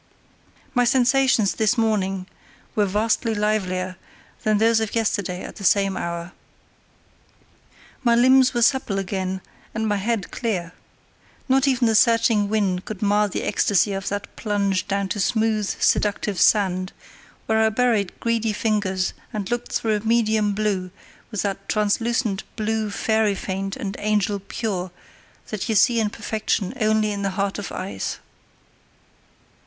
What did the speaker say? My sensations this morning were vastly livelier than those of yesterday at the same hour. My limbs were supple again and my head clear. Not even the searching wind could mar the ecstasy of that plunge down to smooth, seductive sand, where I buried greedy fingers and looked through a medium blue, with that translucent blue, fairy faint and angel pure, that you see in perfection only in the heart of ice.